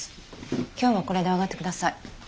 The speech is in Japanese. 今日はこれで上がって下さい。